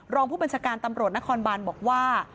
รองผู้บัญชาการตำรวจนครบานบอกว่า